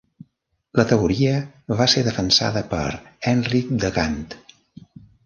La teoria va ser defensada per Enric de Gant.